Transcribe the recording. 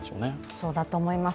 そうだと思います。